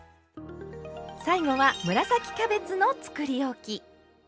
最後は紫キャベツのつくりおき。